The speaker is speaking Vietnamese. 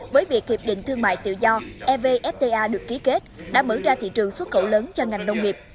với việc hiệp định thương mại tự do evfta được ký kết đã mở ra thị trường xuất khẩu lớn cho ngành nông nghiệp